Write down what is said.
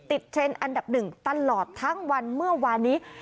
เทรนด์อันดับหนึ่งตลอดทั้งวันเมื่อวานนี้